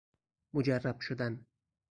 مجرب شدن